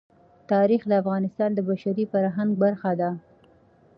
تاریخ د افغانستان د بشري فرهنګ برخه ده.